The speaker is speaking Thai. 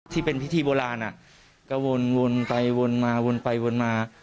ที่เป็นพิธีโบราณก็วนไปวนมาวนไปวนมา